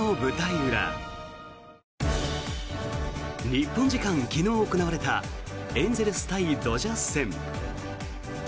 日本時間昨日行われたエンゼルス対ドジャース戦。